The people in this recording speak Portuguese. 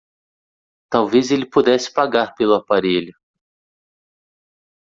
Talvez ele pudesse pagar pelo aparelho.